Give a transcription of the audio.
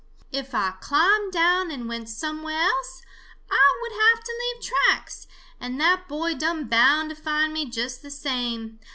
If Ah climbed down and went somewhere else, Ah would have to leave tracks, and that boy done bound to find me just the same.